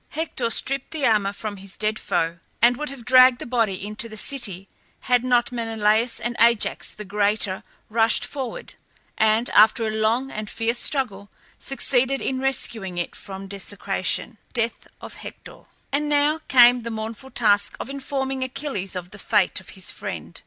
Hector stripped the armour from his dead foe, and would have dragged the body into the city had not Menelaus and Ajax the Greater rushed forward, and after a long and fierce struggle succeeded in rescuing it from desecration. DEATH OF HECTOR. And now came the mournful task of informing Achilles of the fate of his friend.